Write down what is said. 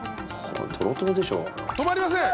止まりません。